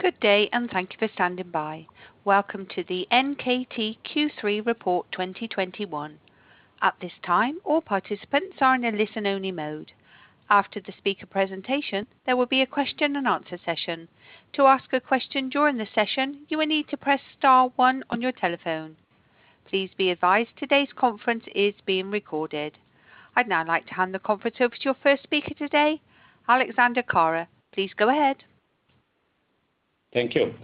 Good day, and thank you for standing by. Welcome to the NKT Q3 report 2021. At this time, all participants are in a listen only mode. After the speaker presentation, there will be a question and answer session. To ask a question during the session, you will need to press star one on your telephone. Please be advised today's conference is being recorded. I'd now like to hand the conference over to your first speaker today, Alexander Kara. Please go ahead. Thank you.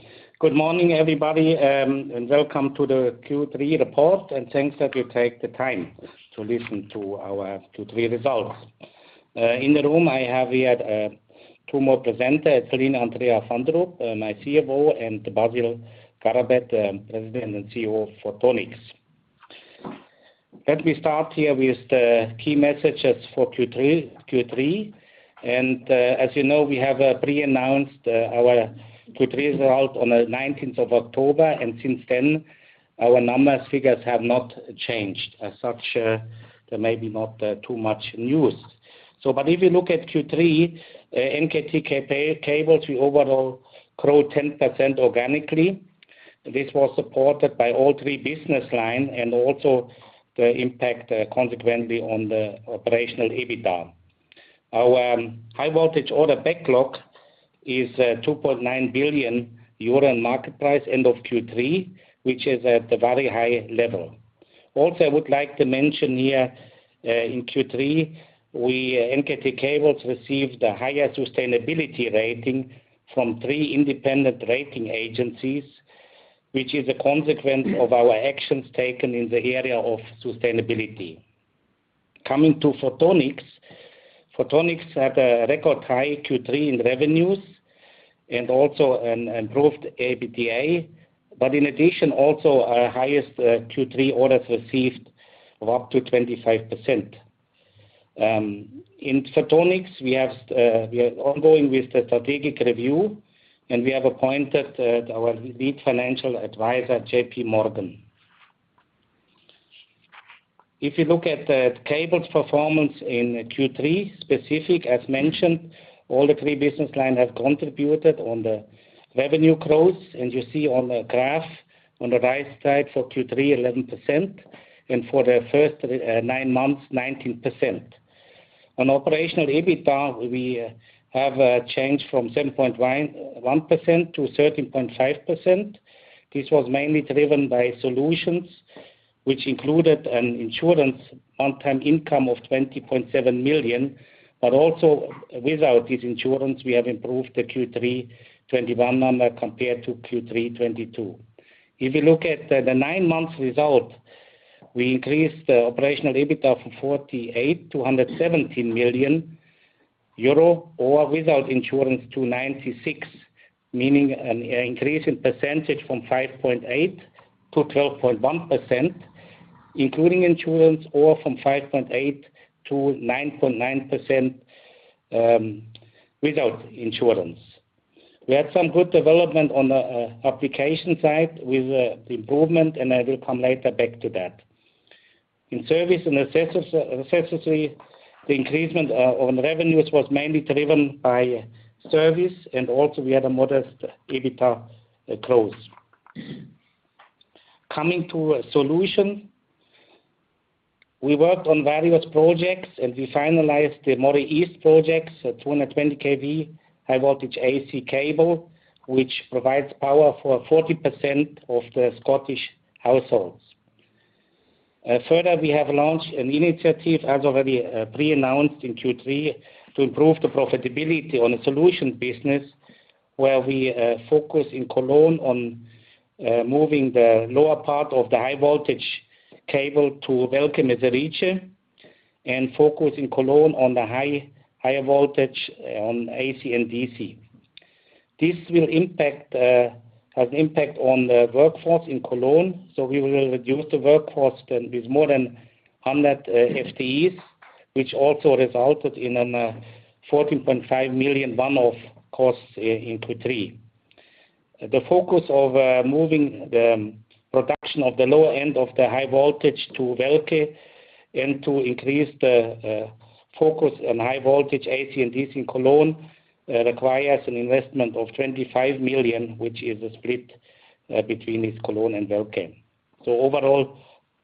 Good morning, everybody, and welcome to the Q3 report, and thanks that you take the time to listen to our Q3 results. In the room I have here two more presenters, Line Andrea Fandrup, my CFO, and Basil Garabet, President and CEO of Photonics. Let me start here with the key messages for Q3. As you know, we have pre-announced our Q3 result on the nineteenth of October, and since then, our numbers and figures have not changed. As such, there may not be too much news. But if you look at Q3, NKT Cable, we overall grow 10% organically. This was supported by all three business lines and also the consequent impact on the operational EBITDA. Our high voltage order backlog is 2.9 billion euro market price end of Q3, which is at the very high level. I would like to mention here, in Q3, we, NKT Cable, received a higher sustainability rating from three independent rating agencies, which is a consequence of our actions taken in the area of sustainability. Coming to Photonics. Photonics had a record high Q3 in revenues and also an improved EBITDA. In addition, also our highest Q3 orders received of up to 25%. In Photonics, we are ongoing with the strategic review, and we have appointed our lead financial advisor, JPMorgan. If you look at the cables performance in Q3 specifically, as mentioned, all three business lines have contributed to the revenue growth, and you see on the graph on the right side for Q3, 11%, and for the first nine months, 19%. On operational EBITDA, we have a change from 7.91%-13.5%. This was mainly driven by Solutions which included an insurance one-time income of 20.7 million. Also without this insurance, we have improved the Q3 2021 number compared to Q3 2022. If you look at the nine months result, we increased the operational EBITDA from 48 million-117 million euro or without insurance to 96 million, meaning an increase in percentage from 5.8% to 12.1%, including insurance, or from 5.8%-9.9% without insurance. We had some good development on the application side with the improvement, and I will come later back to that. In service and accessories, the increase on revenues was mainly driven by service and also we had a modest EBITDA growth. Coming to a solution, we worked on various projects and we finalized the Moray East projects, a 220 kV high voltage AC cable, which provides power for 40% of the Scottish households. Further, we have launched an initiative, as already pre-announced in Q3, to improve the profitability on the solution business where we focus in Cologne on moving the lower part of the high voltage cable to Velke Mezirici and focus in Cologne on the higher voltage on AC and DC. This will impact has impact on the workforce in Cologne, so we will reduce the workforce then with more than 100 FTEs, which also resulted in an 14.5 Million one-off cost in Q3. The focus of moving the production of the lower end of the high voltage to Velke and to increase the focus on high voltage AC and DC in Cologne requires an investment of 25 million, which is split between this Cologne and Velke. Overall,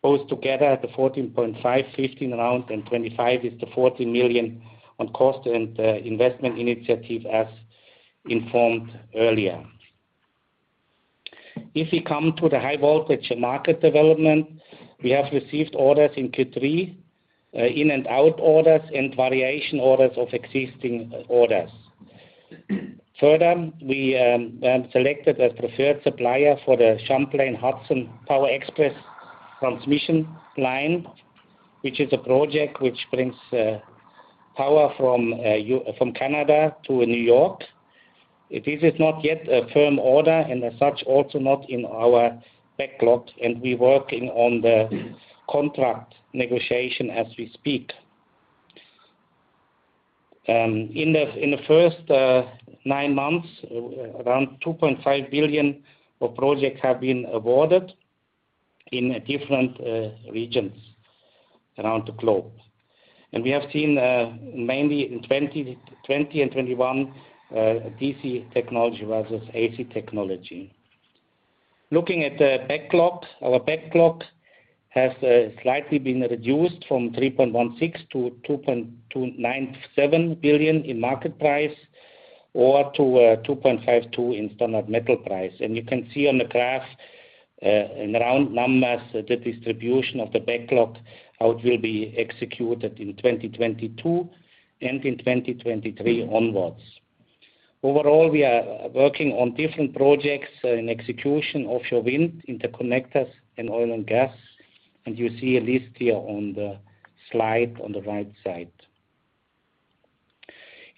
those together, the 14.5, 15 around and 25 is the 40 million cost and investment initiative, as informed earlier. If we come to the high voltage market development, we have received orders in Q3, in and out orders and variation orders of existing orders. Further, we selected a preferred supplier for the Champlain Hudson Power Express transmission line, which is a project which brings power from Canada to New York. This is not yet a firm order and as such also not in our backlog. We're working on the contract negotiation as we speak. In the first nine months, around 2.5 billion of projects have been awarded. In different regions around the globe. We have seen mainly in 2020 and 2021 DC technology versus AC technology. Looking at the backlog. Our backlog has slightly been reduced from 3.16 billion to 2.297 billion in market price, or to 2.52 billion in standard metal price. You can see on the graph in round numbers the distribution of the backlog, how it will be executed in 2022 and in 2023 onwards. Overall, we are working on different projects in execution offshore wind, interconnectors, and oil and gas. You see a list here on the slide on the right side.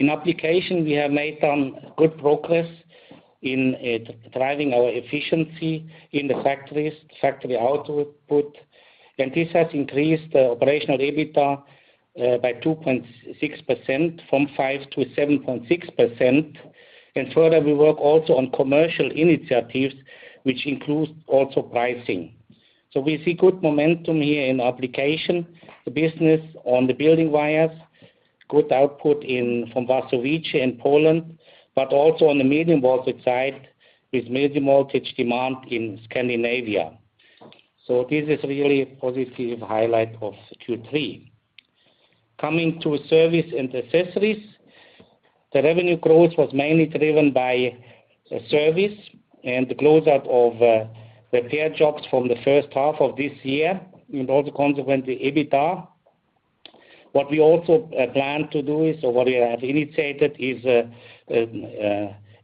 In application, we have made some good progress in driving our efficiency in the factories, factory output. This has increased the operational EBITDA by 2.6% from 5%-7.6%. Further, we work also on commercial initiatives, which includes also pricing. We see good momentum here in application. The business on the building wires, good output from Varsavice in Poland, but also on the medium voltage side, with medium voltage demand in Scandinavia. This is really a positive highlight of Q3. Coming to service and accessories. The revenue growth was mainly driven by service and the closeout of repair jobs from the first half of this year, and also consequently, EBITDA. What we also plan to do is what we have initiated is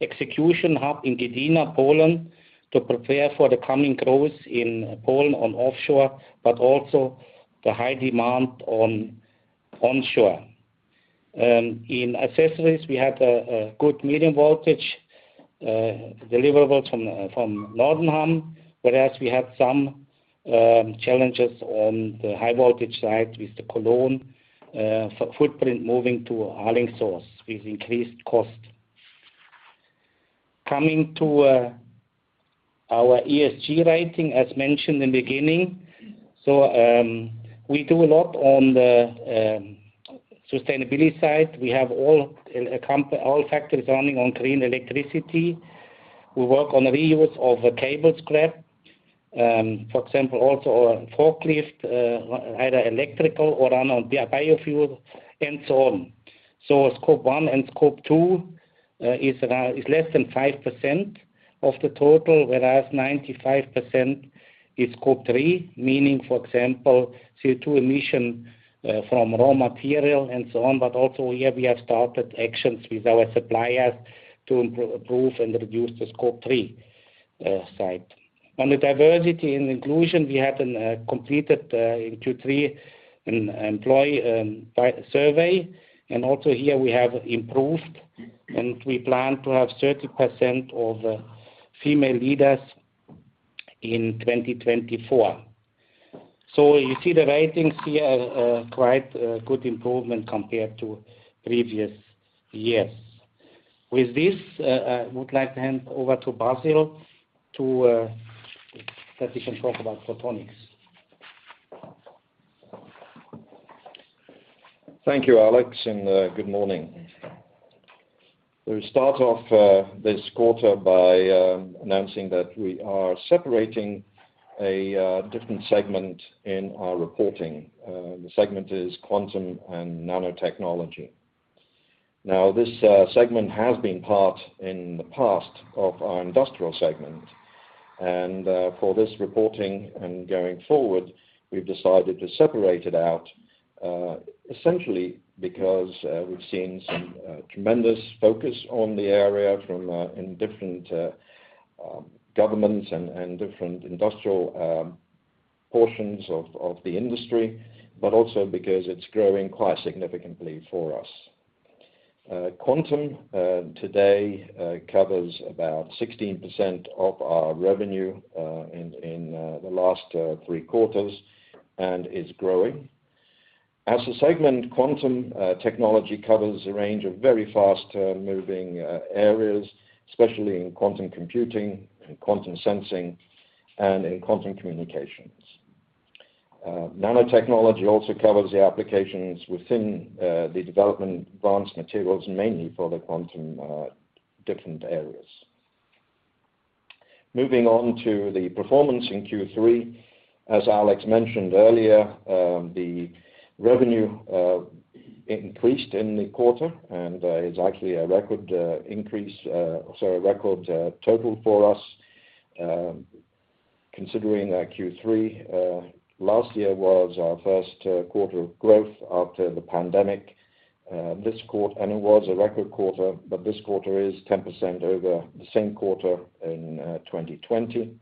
execution hub in Gdynia, Poland, to prepare for the coming growth in Poland on offshore, but also the high demand on onshore. In accessories, we had a good medium voltage deliverables from Nordenham, whereas we had some challenges on the high voltage side with the Cologne footprint moving to Alingsås with increased cost. Coming to our ESG rating, as mentioned in the beginning. We do a lot on the sustainability side. We have all factories running on green electricity. We work on reuse of cable scrap, for example, also our forklift either electrical or run on biofuel and so on. Scope one and scope two is less than 5% of the total, whereas 95% is scope three, meaning, for example, CO2 emission from raw material and so on. But also here, we have started actions with our suppliers to improve and reduce the scope three side. On the diversity and inclusion, we have completed in Q3 an employee survey. Also here, we have improved, and we plan to have 30% of female leaders in 2024. You see the ratings here, quite a good improvement compared to previous years. With this, I would like to hand over to Basil so that he can talk about Photonics. Thank you, Alex, and good morning. We start off this quarter by announcing that we are separating a different segment in our reporting. The segment is Quantum and Nanotechnology. Now, this segment has been part in the past of our industrial segment. For this reporting and going forward, we've decided to separate it out, essentially because we've seen some tremendous focus on the area from different governments and different industrial portions of the industry, but also because it's growing quite significantly for us. Quantum today covers about 16% of our revenue in the last three quarters and is growing. As a segment, Quantum technology covers a range of very fast moving areas, especially in quantum computing and quantum sensing and in quantum communications. Nanotechnology also covers the applications within the development of advanced materials, mainly for the quantum different areas. Moving on to the performance in Q3. As Alex mentioned earlier, the revenue increased in the quarter, and is actually a record increase, so a record total for us, considering that Q3 last year was our first quarter of growth after the pandemic. It was a record quarter, but this quarter is 10% over the same quarter in 2020.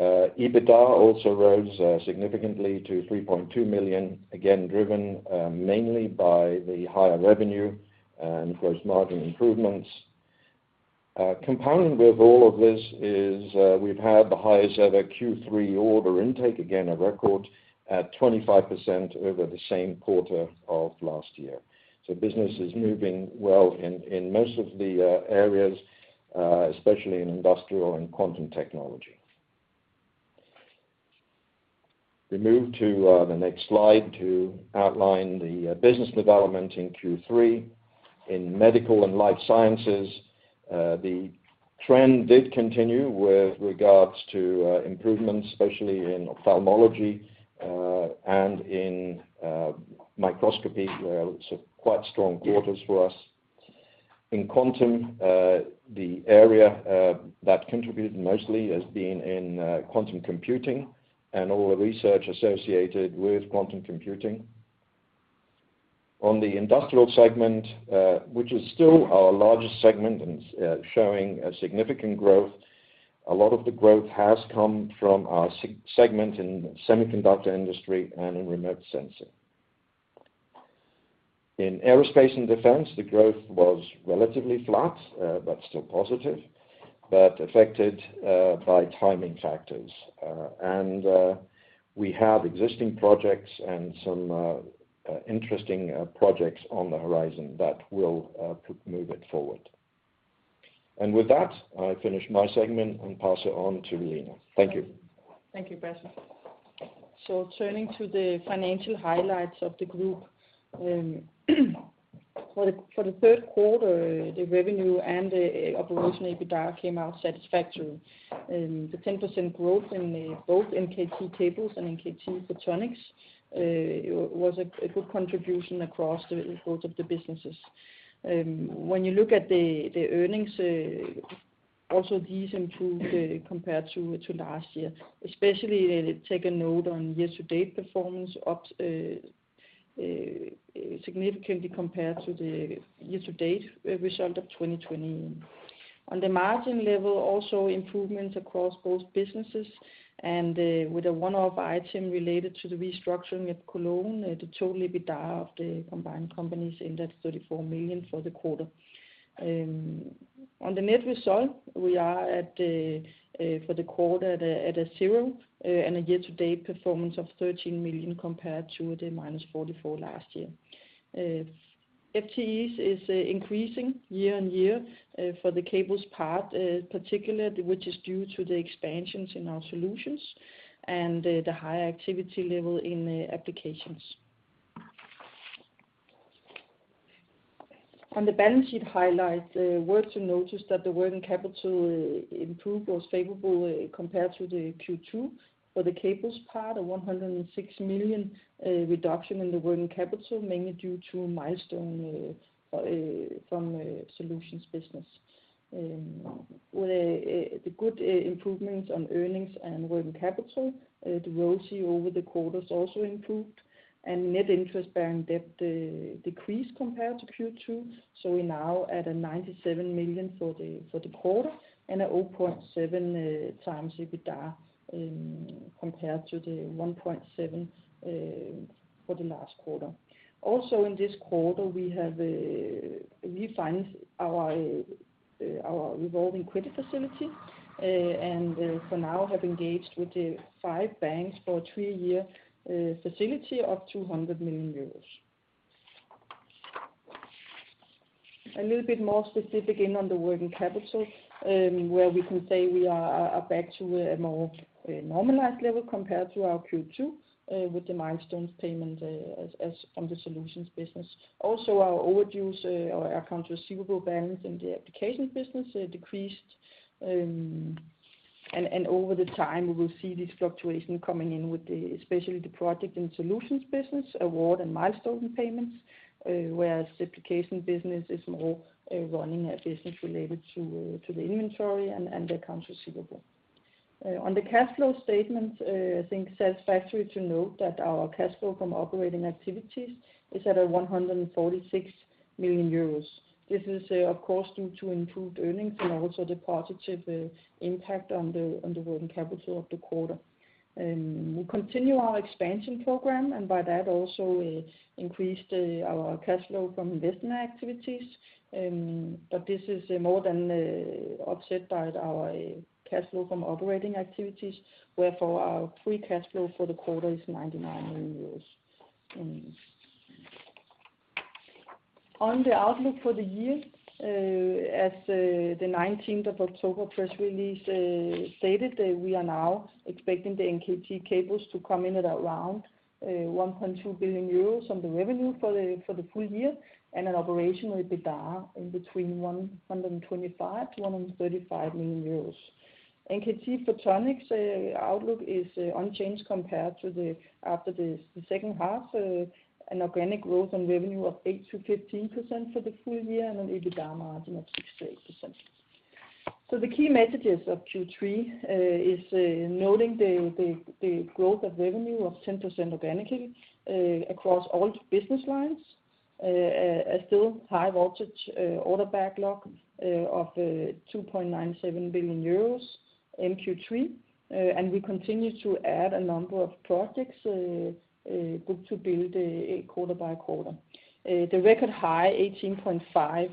EBITDA also rose significantly to 3.2 million, again, driven mainly by the higher revenue and gross margin improvements. A component with all of this is, we've had the highest ever Q3 order intake, again, a record at 25% over the same quarter of last year. Business is moving well in most of the areas, especially in industrial and quantum technology. We move to the next slide to outline the business development in Q3. In medical and life sciences, the trend did continue with regards to improvements, especially in ophthalmology and in microscopy, so quite strong quarters for us. In quantum, the area that contributed mostly has been in quantum computing and all the research associated with quantum computing. On the industrial segment, which is still our largest segment and is showing a significant growth, a lot of the growth has come from our segment in semiconductor industry and in remote sensing. In aerospace and defense, the growth was relatively flat, but still positive, but affected by timing factors. We have existing projects and some interesting projects on the horizon that will move it forward. With that, I finish my segment and pass it on to Line. Thank you. Thank you, Basil. Turning to the financial highlights of the group, for the third quarter, the revenue and operational EBITDA came out satisfactory. The 10% growth in both NKT Cables and NKT Photonics, it was a good contribution across both of the businesses. When you look at the earnings, also decent too, compared to last year, especially, take note on year-to-date performance up significantly compared to the year-to-date result of 2020. On the margin level, also improvements across both businesses and, with a one-off item related to the restructuring at Cologne, the total EBITDA of the combined companies ended 34 million for the quarter. On the net result, we are at 0 for the quarter and a year-to-date performance of 13 million compared to -44 million last year. FTEs is increasing year-over-year for the cables part, particularly, which is due to the expansions in our solutions and the higher activity level in applications. On the balance sheet highlight, worth to notice that the working capital improvement was favorable compared to Q2. For the cables part, a 106 million reduction in the working capital, mainly due to a milestone from solutions business. With the good improvements on earnings and working capital, the ROCE over the quarter also improved, and net interest-bearing debt decreased compared to Q2. We're now at 97 million for the quarter and 0.7x EBITDA compared to the 1.7 for the last quarter. Also, in this quarter, we have refined our revolving credit facility and for now have engaged with the five banks for a three-year facility of 200 million euros. A little bit more specific on the working capital, where we can say we are back to a more normalized level compared to our Q2 with the milestones payment in the Solutions business. Also, our orders, our accounts receivable balance in the Applications business decreased. Over time, we will see this fluctuation coming in with, especially the project and solutions business, award and milestone payments, whereas the application business is more running a business related to the inventory and accounts receivable. On the cash flow statement, it's satisfactory to note that our cash flow from operating activities is 146 million euros. This is, of course, due to improved earnings and also the positive impact on the working capital of the quarter. We continue our expansion program, and by that also increased our cash flow from investment activities. But this is more than offset by our cash flow from operating activities, wherefore our free cash flow for the quarter is 99 million. On the outlook for the year, as the 19th of October press release stated that we are now expecting the NKT Cables to come in at around 1.2 billion euros on the revenue for the full year and an operational EBITDA between 125 million-135 million euros. NKT Photonics outlook is unchanged compared to the outlook after the second half, an organic growth on revenue of 8%-15% for the full year and an EBITDA margin of 6%-8%. The key messages of Q3 is noting the growth of revenue of 10% organically across all business lines. A still high voltage order backlog of 2.97 billion euros in Q3. We continue to add a number of projects, book to build, quarter by quarter. The record high 18.5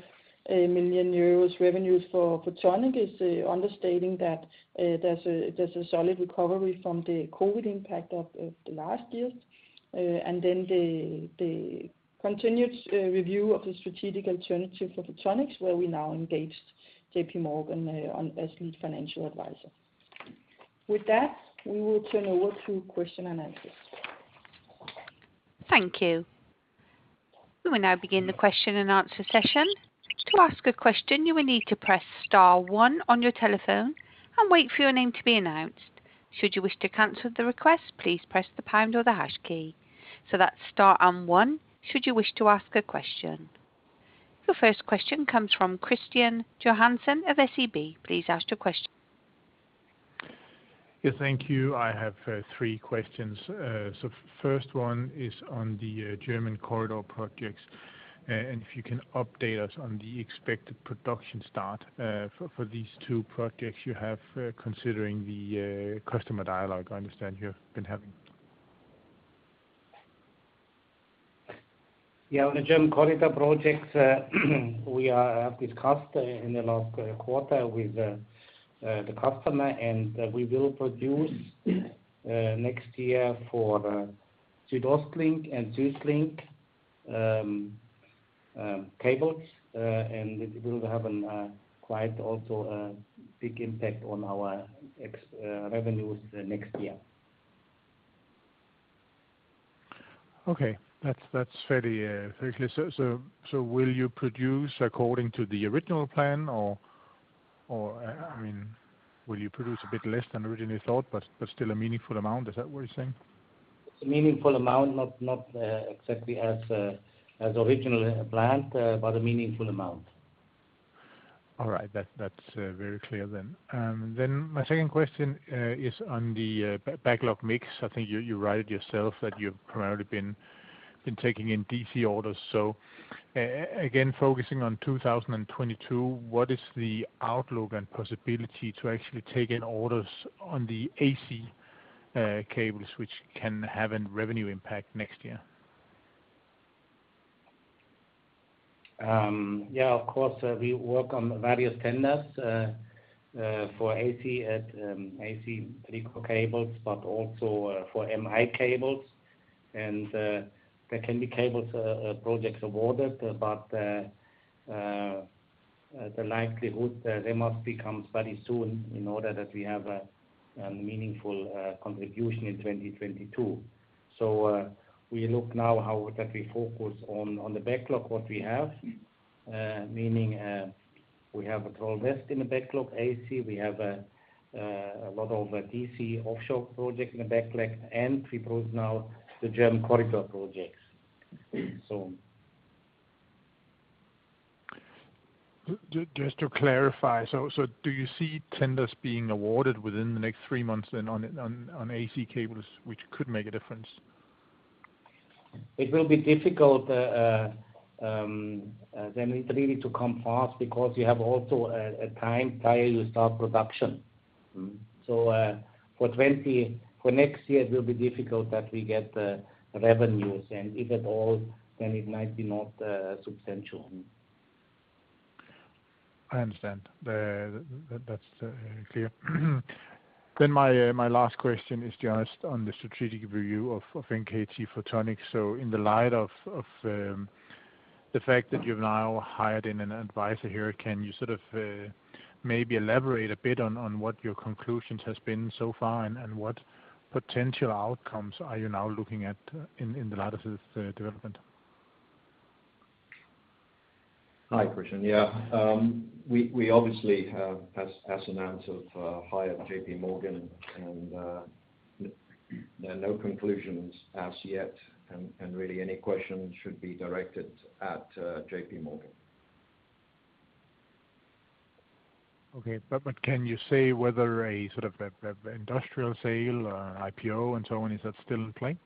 million euros revenues for Photonics is understating that there's a solid recovery from the COVID impact of the last years. The continued review of the strategic alternative for Photonics, where we now engaged JPMorgan as lead financial advisor. With that, we will turn over to questions and answers. Thank you. We will now begin the question and answer session. To ask a question, you will need to press star one on your telephone and wait for your name to be announced. Should you wish to cancel the request, please press the pound or the hash key. That's star and one should you wish to ask a question. Your first question comes from Kristian Johansen of SEB. Please ask your question. Yeah, thank you. I have three questions. First one is on the German corridor projects, and if you can update us on the expected production start for these two projects you have, considering the customer dialogue I understand you have been having. On the German corridor projects, we have discussed in the last quarter with the customer, and we will produce next year for SuedOstLink and SuedLink cables, and it will have a quite big impact on our revenues next year. Okay. That's fairly clear. Will you produce according to the original plan or, I mean, will you produce a bit less than originally thought, but still a meaningful amount? Is that what you're saying? It's a meaningful amount, not exactly as originally planned, but a meaningful amount. All right. That's very clear then. My second question is on the backlog mix. I think you wrote it yourself that you've primarily been taking in DC orders. Again, focusing on 2022, what is the outlook and possibility to actually take in orders on the AC cables which can have a revenue impact next year? Yeah, of course, we work on various tenders for AC and AC three core cables, but also for MI cables. There can be cable projects awarded, but the likelihood they must be won very soon in order that we have a meaningful contribution in 2022. We focus on the backlog what we have, meaning we have Troll West in the backlog AC. We have a lot of DC offshore project in the backlog. We build now the German corridor projects. Just to clarify, so do you see tenders being awarded within the next three months then on AC cables, which could make a difference? It will be difficult. It really to come fast because you have also a time till you start production. Mm-hmm. For next year, it will be difficult that we get the revenues, and if at all, then it might be not substantial. I understand. That's clear. My last question is just on the strategic review of NKT Photonics. In the light of the fact that you've now hired an advisor here, can you sort of maybe elaborate a bit on what your conclusions has been so far and what potential outcomes are you now looking at in the light of this development? Hi, Christian. Yeah. We obviously have, as announced, hired JPMorgan, and there are no conclusions as yet, and really any questions should be directed at JPMorgan. Can you say whether a sort of industrial sale, IPO, and so on, is that still in play?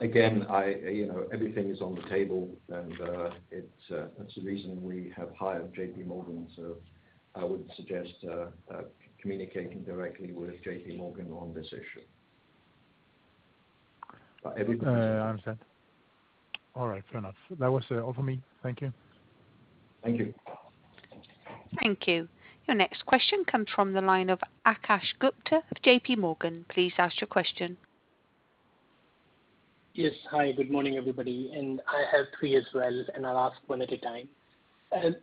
Again, you know, everything is on the table, and that's the reason we have hired JPMorgan. I would suggest communicating directly with JPMorgan on this issue. Every- Understood. All right. Fair enough. That was all for me. Thank you. Thank you. Thank you. Your next question comes from the line of Akash Gupta of JPMorgan. Please ask your question. Yes. Hi, good morning, everybody. I have three as well, and I'll ask one at a time.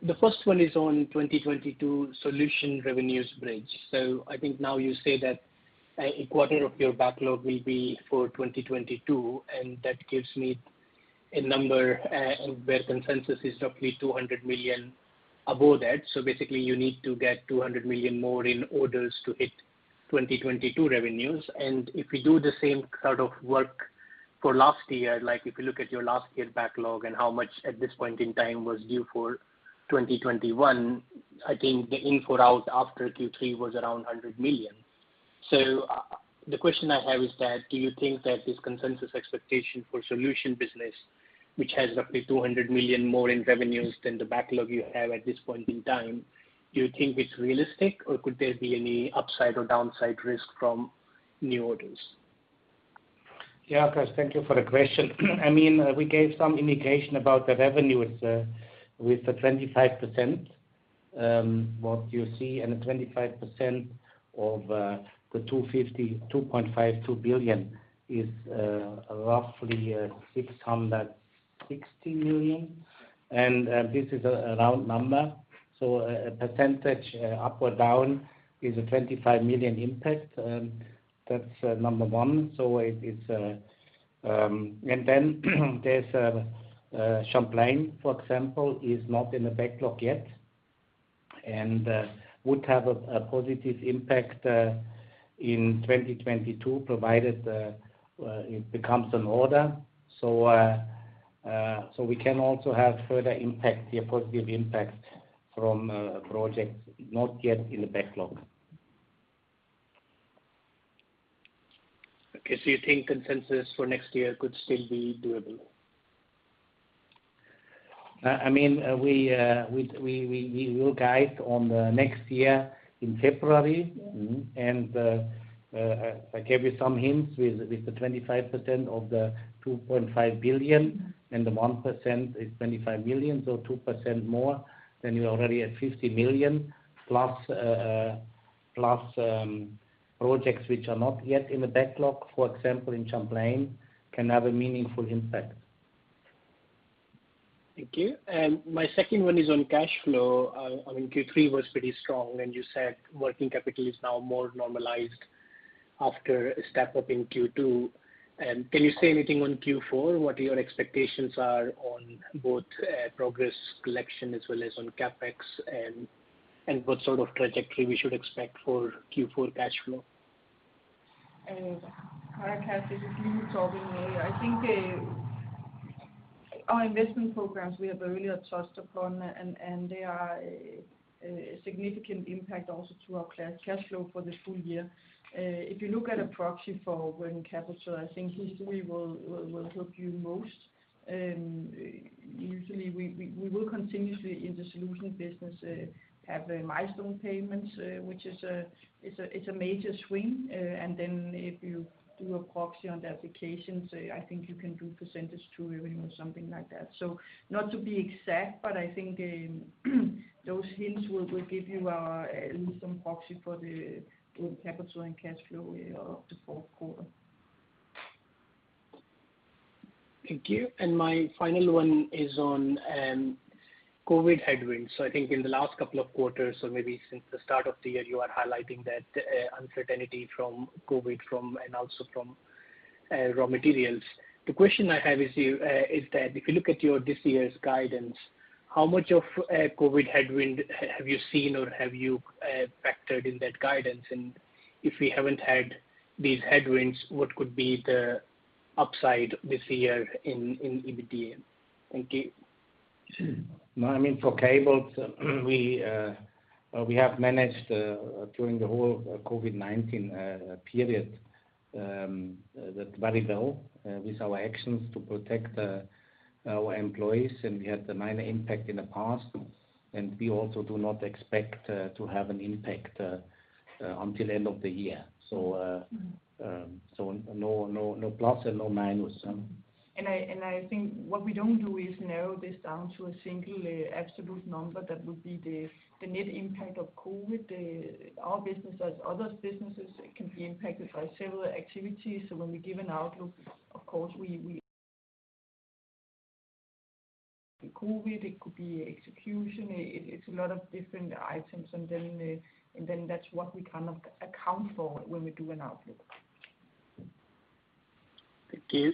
The first one is on 2022 solution revenues bridge. I think now you say that a quarter of your backlog will be for 2022, and that gives me a number where consensus is roughly 200 million above that. Basically, you need to get 200 million more in orders to hit 2022 revenues. If we do the same sort of work for last year, like if you look at your last year backlog and how much at this point in time was due for 2021, I think the info out after Q3 was around 100 million. The question I have is that, do you think that this consensus expectation for solution business, which has roughly 200 million more in revenues than the backlog you have at this point in time, do you think it's realistic, or could there be any upside or downside risk from new orders? Yeah, Akash, thank you for the question. I mean, we gave some indication about the revenues with the 25% what you see. The 25% of the 2.52 billion is roughly 600 million. DKK 60 million. This is a round number. A percentage up or down is a 25 million impact. That's number one. There's Champlain, for example, is not in the backlog yet, and would have a positive impact in 2022, provided it becomes an order. We can also have further impact here, positive impact from projects not yet in the backlog. Okay, you think consensus for next year could still be doable? I mean, we will guide on the next year in February. Yeah. I gave you some hints with the 25% of the $2.5 billion, and the 1% is $25 million. 2% more, then you're already at $50+ million projects which are not yet in the backlog, for example, in Champlain, can have a meaningful impact. Thank you. My second one is on cash flow. I mean, Q3 was pretty strong, and you said working capital is now more normalized after a step up in Q2. Can you say anything on Q4, what your expectations are on both progress collection as well as on CapEx, and what sort of trajectory we should expect for Q4 cash flow? Hi, Kash, this is Line talking here. I think our investment programs we have earlier touched upon, and they are a significant impact also to our cash flow for the full year. If you look at a proxy for working capital, I think history will help you most. Usually we will continuously in the solution business have milestone payments, which is a major swing. Then if you do a proxy on the applications, I think you can do percentage to revenue or something like that. Not to be exact, but I think those hints will give you at least some proxy for the working capital and cash flow up to fourth quarter. Thank you. My final one is on COVID headwinds. I think in the last couple of quarters, or maybe since the start of the year, you are highlighting that uncertainty from COVID, and also from raw materials. The question I have is that if you look at your this year's guidance, how much of COVID headwind have you seen or have you factored in that guidance? If we haven't had these headwinds, what could be the upside this year in EBITDA? Thank you. No, I mean, for cables, we have managed during the whole COVID-19 period that very well with our actions to protect our employees, and we had a minor impact in the past. We also do not expect to have an impact until end of the year. No plus and no minus. I think what we don't do is narrow this down to a single absolute number that would be the net impact of COVID. Our business, as others' businesses, can be impacted by several activities. When we give an outlook, of course, we The COVID-19, it could be execution. It's a lot of different items. That's what we cannot account for when we do an outlook. Thank you.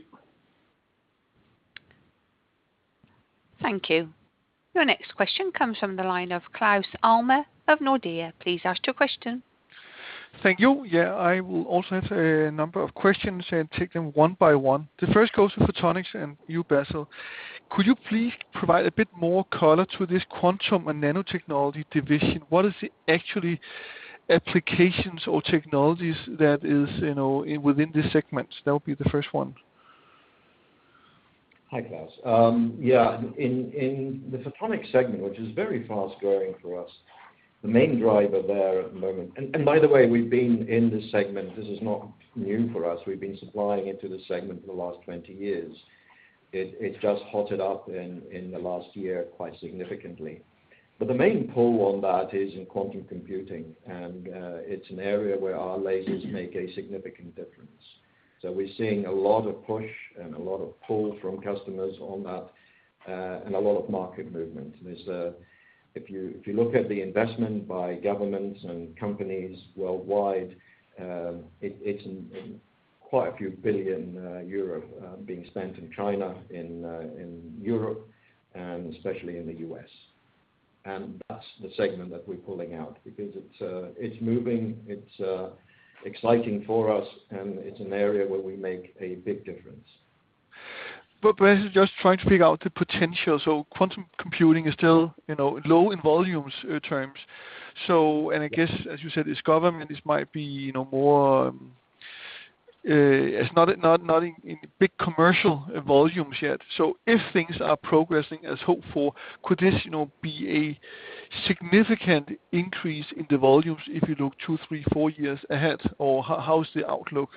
Thank you. Your next question comes from the line of Claus Almer of Nordea. Please ask your question. Thank you. Yeah, I will also have a number of questions and take them one by one. The first goes to Photonics and you, Basil. Could you please provide a bit more color to this Quantum & Nano Technology division? What are the actual applications or technologies that are, you know, within this segment? That would be the first one. Hi, Claus. In the Photonics segment, which is very fast-growing for us, the main driver there at the moment. By the way, we've been in this segment. This is not new for us. We've been supplying into the segment for the last 20 years. It just hotted up in the last year quite significantly. But the main pull on that is in quantum computing, and it's an area where our lasers make a significant difference. We're seeing a lot of push and a lot of pull from customers on that, and a lot of market movement. If you look at the investment by governments and companies worldwide, it's quite a few billion EUR being spent in China, in Europe, and especially in the U.S. That's the segment that we're pulling out because it's exciting for us, and it's an area where we make a big difference. Basil, just trying to figure out the potential. Quantum computing is still, you know, low in volumes, terms. I guess, as you said, it's government, this might be, you know, more, it's not in big commercial volumes yet. If things are progressing as hoped for, could this, you know, be a significant increase in the volumes if you look two, three, four years ahead, or how's the outlook?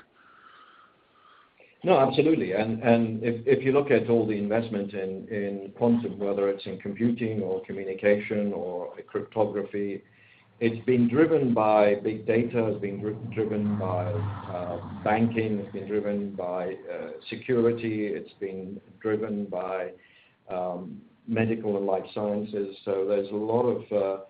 No, absolutely. If you look at all the investment in quantum, whether it's in computing or communication or cryptography, it's been driven by big data, it's been driven by banking, it's been driven by security, it's been driven by medical and life sciences. There's a lot of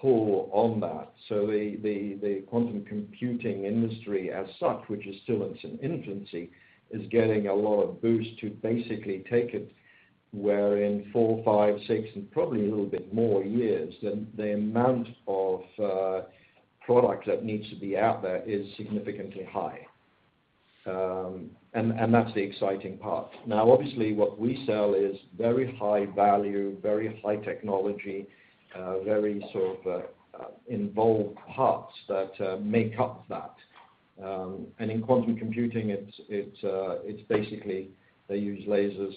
pull on that. The quantum computing industry as such, which is still in its infancy, is getting a lot of boost to basically take it where in four, five, six, and probably a little bit more years than the amount of product that needs to be out there is significantly high. That's the exciting part. Now obviously, what we sell is very high value, very high technology, very sort of involved parts that make up that. In quantum computing, it's basically they use lasers,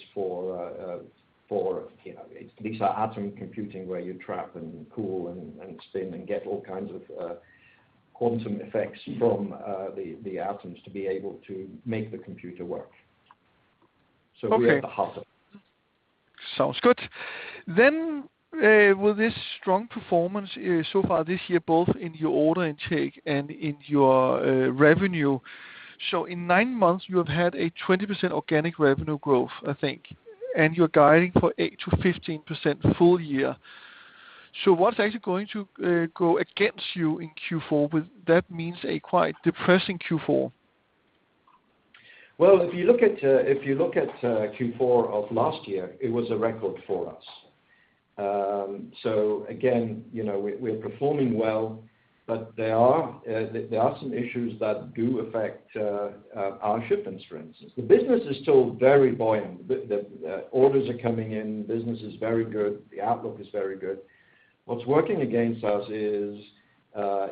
you know, these are atom computing where you trap and cool and spin and get all kinds of quantum effects from the atoms to be able to make the computer work. Okay. We are at the heart of it. Sounds good. With this strong performance so far this year, both in your order intake and in your revenue. In nine months you have had a 20% organic revenue growth, I think, and you're guiding for 8%-15% full year. What's actually going to go against you in Q4? That means a quite depressing Q4. Well, if you look at Q4 of last year, it was a record for us. Again, you know, we are performing well, but there are some issues that do affect our shipments for instance. The business is still very buoyant. The orders are coming in, business is very good, the outlook is very good. What's working against us is,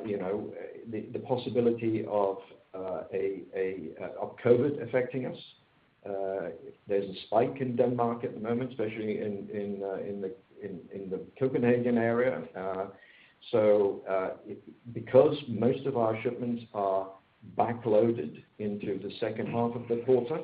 you know, the possibility of a COVID affecting us. There's a spike in Denmark at the moment, especially in the Copenhagen area. Because most of our shipments are backloaded into the second half of the quarter,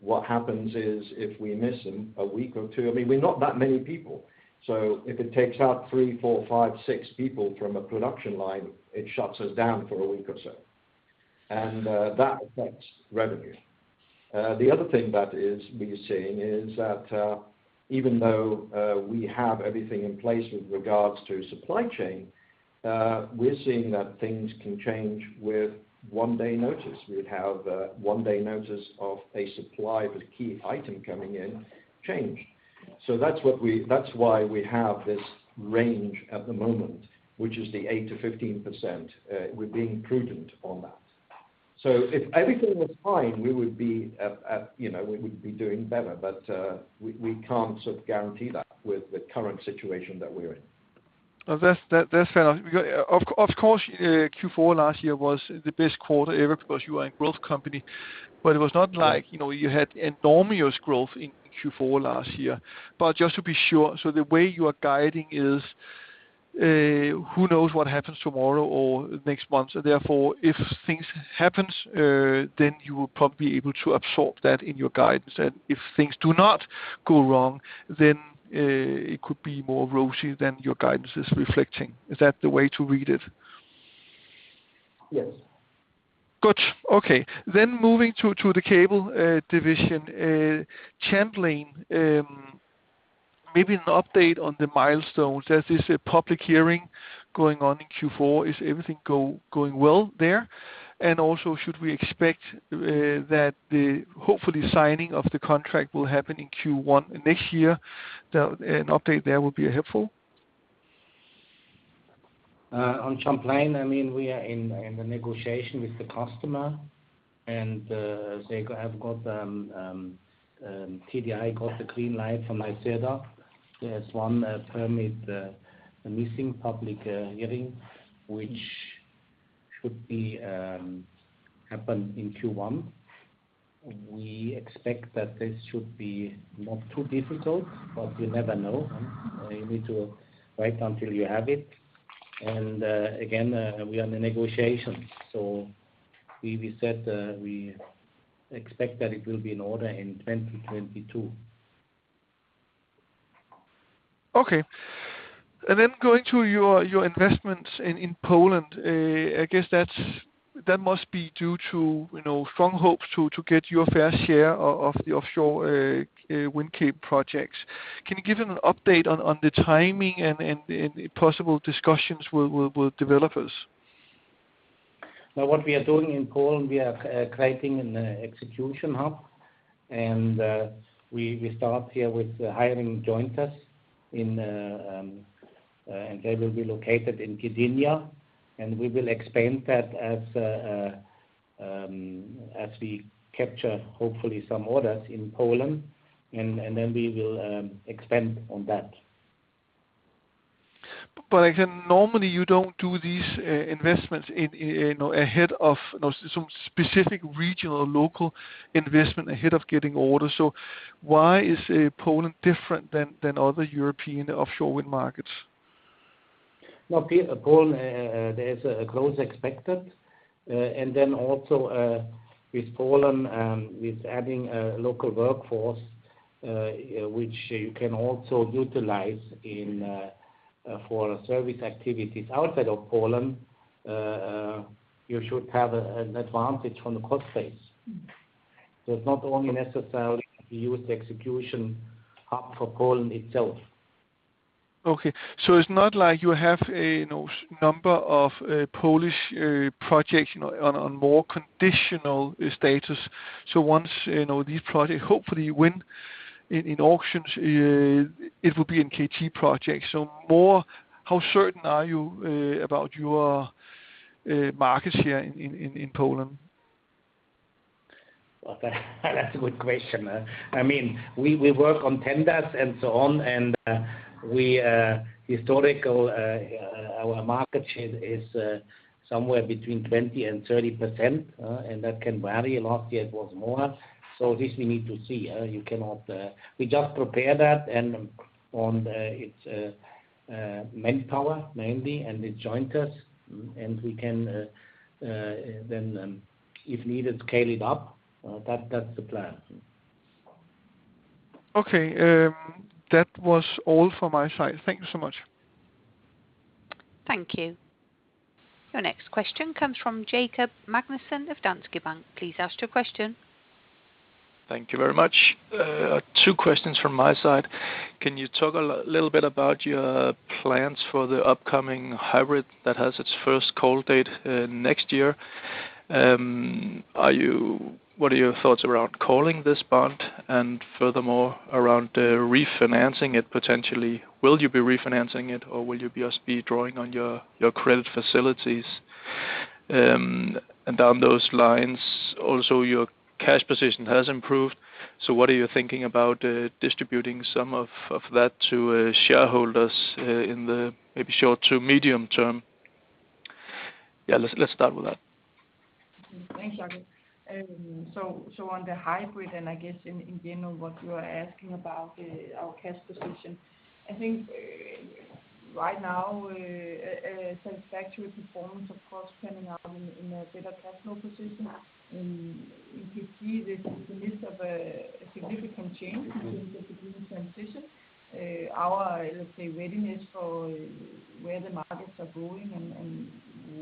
what happens is if we miss them a week or two, I mean, we're not that many people, so if it takes out three, four, five, six people from a production line, it shuts us down for a week or so. That affects revenue. The other thing that we are seeing is that even though we have everything in place with regards to supply chain, we are seeing that things can change with one day notice. We would have one day notice of a supply of a key item coming in change. That's why we have this range at the moment, which is the 8%-15%. We're being prudent on that. If everything was fine, we would be at, you know, we would be doing better, but we can't sort of guarantee that with the current situation that we are in. Oh, that's fair enough. Of course, Q4 last year was the best quarter ever because you are a growth company, but it was not like, you know, you had enormous growth in Q4 last year. Just to be sure, the way you are guiding is, who knows what happens tomorrow or next month, therefore, if things happens, then you will probably be able to absorb that in your guidance. If things do not go wrong, then it could be more rosy than your guidance is reflecting. Is that the way to read it? Yes. Got you. Okay. Moving to the cable division, Champlain, maybe an update on the milestones. There is a public hearing going on in Q4. Is everything going well there? Also should we expect that hopefully signing of the contract will happen in Q1 next year? An update there will be helpful. On Champlain, I mean, we are in the negotiation with the customer and TDI got the green light from NYSERDA. There's one permit missing public hearing, which should happen in Q1. We expect that this should be not too difficult, but you never know. You need to wait until you have it. Again, we are in the negotiations, so we said we expect that it will be in order in 2022. Okay. Going to your investments in Poland, I guess that must be due to, you know, strong hopes to get your fair share of the offshore wind CapEx projects. Can you give an update on the timing and possible discussions with developers? Now what we are doing in Poland, we are creating an execution hub. We start here with hiring jointers, and they will be located in Gdynia, and we will expand that as we capture hopefully some orders in Poland. Then we will expand on that. Again, normally you don't do these investments in, you know, ahead of, you know, some specific regional or local investment ahead of getting orders. Why is Poland different than other European offshore wind markets? Now, Poland, there is a growth expected. With Poland, with adding a local workforce, which you can also utilize in for service activities outside of Poland, you should have an advantage on the cost base. It's not only necessary we use the execution hub for Poland itself. Okay. It's not like you have a, you know, number of Polish projects, you know, on more conditional status. Once, you know, these projects hopefully win in auctions, it will be NKT projects. More, how certain are you about your markets here in Poland? Well, that's a good question. I mean, we work on tenders and so on, and we historically our market share is somewhere between 20% and 30%, and that can vary. Last year it was more. This we need to see. We just prepare that, and it's mainly manpower, and they join us, and we can then, if needed, scale it up. That's the plan. Okay. That was all from my side. Thank you so much. Thank you. Your next question comes from Jakob Magnussen of Danske Bank. Please ask your question. Thank you very much. Two questions from my side. Can you talk a little bit about your plans for the upcoming hybrid that has its first call date next year? What are your thoughts around calling this bond and furthermore around refinancing it potentially? Will you be refinancing it or will you just be drawing on your credit facilities? And down those lines also, your cash position has improved, so what are you thinking about distributing some of that to shareholders in the maybe short to medium term? Yeah, let's start with that. Thanks, Jakob. So on the hybrid and I guess in general what you are asking about, our cash position, I think, right now, satisfactory performance of course turning out in a better cash flow position. In NKT this is the midst of a significant change in the green transition. Our, let's say, readiness for where the markets are going and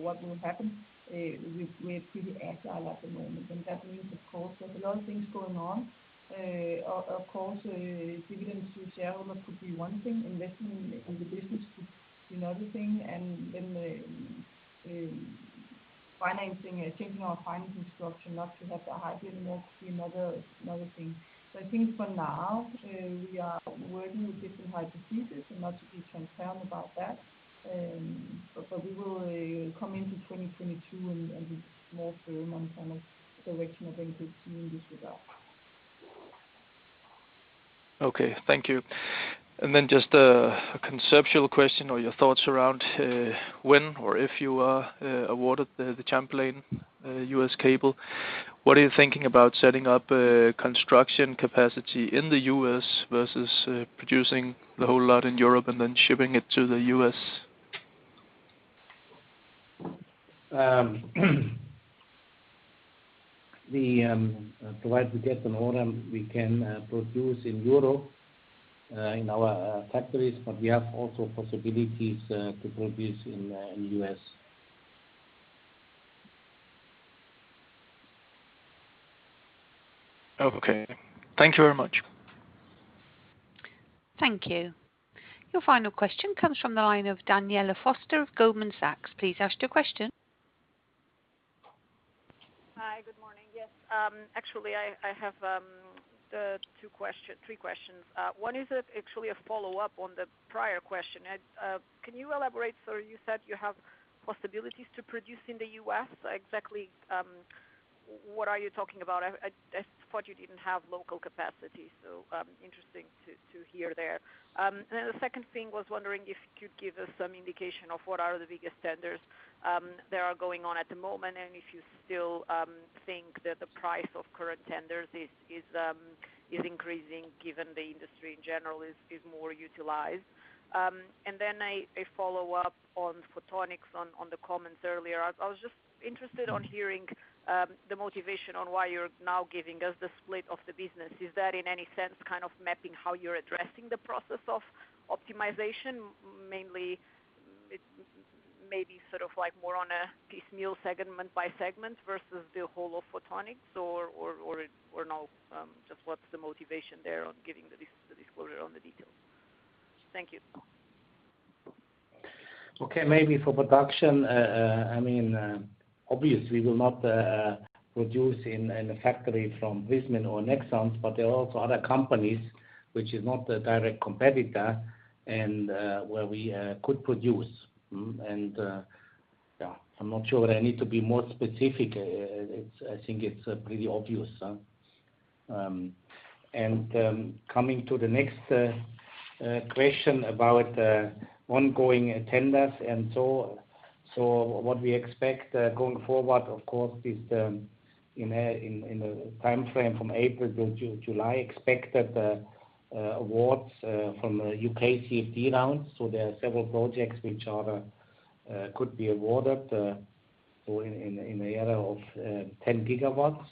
what will happen, we are pretty agile at the moment, and that means of course there's a lot of things going on. Of course, dividends to shareholders could be one thing, investment in the business could be another thing, and then, financing, changing our financing structure not to have the hybrid anymore could be another thing. I think for now, we are working with different hypotheses and not to be concerned about that. But we will come into 2022 and be more firm on kind of direction of NKT in this regard. Okay, thank you. Just a conceptual question or your thoughts around when or if you are awarded the Champlain U.S. cable, what are you thinking about setting up construction capacity in the U.S. versus producing the whole lot in Europe and then shipping it to the U.S.? Provided we get an order, we can produce in Europe in our factories, but we have also possibilities to produce in the US. Okay. Thank you very much. Thank you. Your final question comes from the line of Daniela Costa of Goldman Sachs. Please ask your question. Hi. Good morning. Yes, actually I have three questions. One is actually a follow-up on the prior question. Can you elaborate? You said you have possibilities to produce in the U.S. Exactly, what are you talking about? I thought you didn't have local capacity, so interesting to hear there. The second thing was wondering if you could give us some indication of what are the biggest tenders that are going on at the moment, and if you still think that the price of current tenders is increasing given the industry in general is more utilized. A follow-up on Photonics on the comments earlier. I was just interested in hearing the motivation behind why you're now giving us the split of the business. Is that in any sense kind of mapping how you're addressing the process of optimization? Mainly it may be sort of like more of a piecemeal segment by segment versus the whole of Photonics or no, just what's the motivation there behind giving the disclosure of the details? Thank you. Okay. Maybe for production, I mean, obviously we will not produce in a factory from Prysmian or Nexans, but there are also other companies which is not a direct competitor and where we could produce. Yeah, I'm not sure I need to be more specific. I think it's pretty obvious. Coming to the next question about ongoing tenders, so what we expect going forward of course is in a timeframe from April to July, expect that awards from UK CFD rounds. So there are several projects which could be awarded or in the area of 10 gigawatts.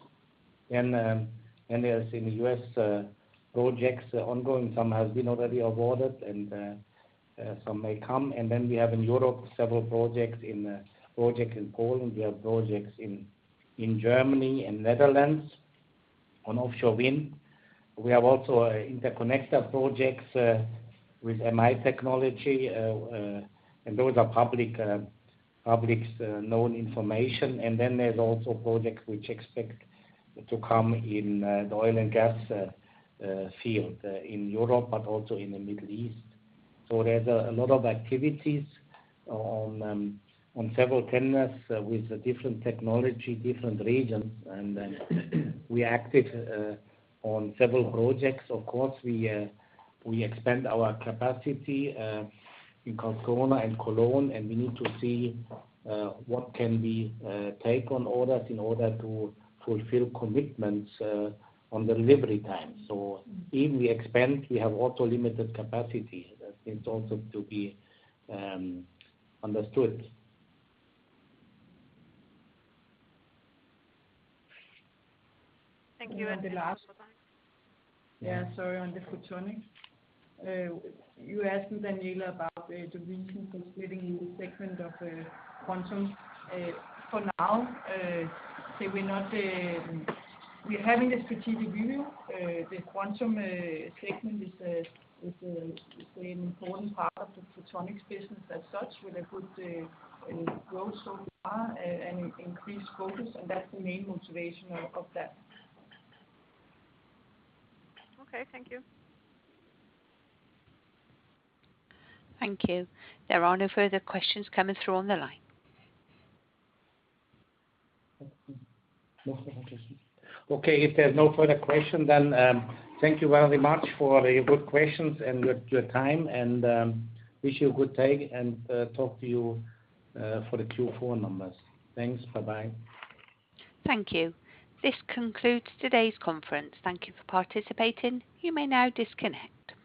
As in the U.S., projects are ongoing. Some have been already awarded and some may come. We have in Europe several projects. In project in Poland, we have projects in Germany and Netherlands on offshore wind. We have also interconnector projects with MI technology and those are publicly known information. There's also projects which expect to come in the oil and gas field in Europe but also in the Middle East. There's a lot of activities on several tenders with different technology, different regions. We acted on several projects. Of course, we expand our capacity in Karlsruhe and Cologne, and we need to see what can we take on orders in order to fulfill commitments on the delivery time. If we expand, we have also limited capacity. That is also to be understood. Thank you. The last. Yeah, sorry. On the Photonics. You asking Daniela about the reason for splitting the Quantum segment. For now, we're having a strategic review. The Quantum segment is an important part of the Photonics business as such with a good growth so far and increased focus, and that's the main motivation of that. Okay, thank you. Thank you. There are no further questions coming through on the line. Okay. If there's no further question, then, thank you very much for the good questions and your time. Wish you a good day and talk to you for the Q4 numbers. Thanks. Bye-bye. Thank you. This concludes today's conference. Thank you for participating. You may now disconnect.